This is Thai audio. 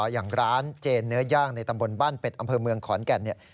อย่างร้านเจนเนื้อย่างในตำบลบ้านเป็ดอำเภอเมืองขอนแก่นเนี่ย